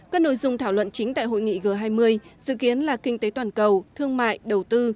các nội dung thảo luận chính tại hội nghị g hai mươi dự kiến là kinh tế toàn cầu thương mại đầu tư